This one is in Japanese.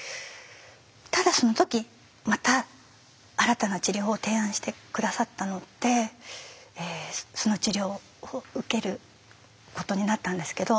ただその時また新たな治療法を提案して下さったのでその治療を受けることになったんですけど。